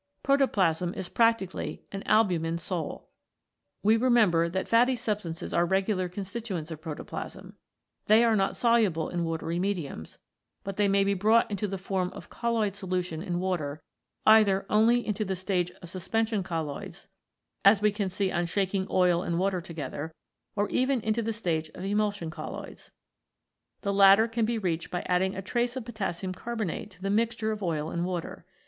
Protoplasm is practically an albumin sol. We remember that fatty substances are regular constituents of proto plasm. They are not soluble in watery mediums, but they may be brought into the form of colloid solution in water, either only into the stage of suspension colloids, as we can see on shaking oil and water together, or even into the stage of emulsion colloids. The latter can be reached by adding a trace of potassium carbonate to the mixture of oil and water.